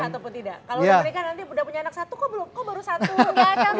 kalau mau menikah nanti udah punya anak satu kok baru satu